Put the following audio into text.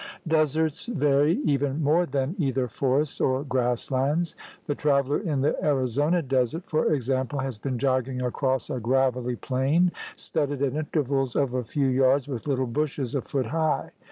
Deserts vary even more than either forests or grass lands. The traveler in the Arizona desert, for example, has been jogging across a gravelly plain studded at intervals of a few yards with little bushes a foot high.